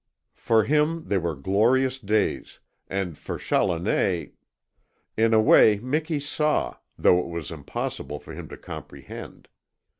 For him they were glorious days. And for Challoner In a way Miki saw, though it was impossible for him to comprehend.